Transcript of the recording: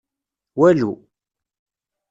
Walu.